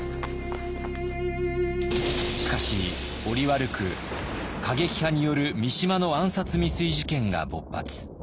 しかし折悪く過激派による三島の暗殺未遂事件が勃発。